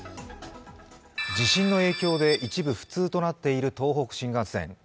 地震の影響で一部不通となっている東北新幹線。